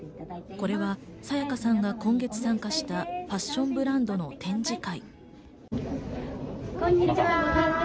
これは沙也加さんが今月参加したファッションブランドの展示会。